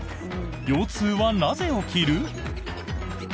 腰痛はなぜ起きる？